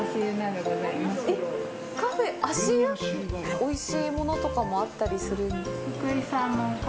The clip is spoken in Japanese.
おいしいものとかもあったりするんですか。